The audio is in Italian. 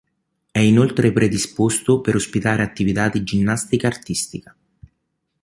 È inoltre predisposto per ospitare attività di ginnastica artistica.